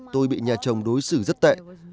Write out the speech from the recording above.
tôi bị nhà chồng đối xử rất tệ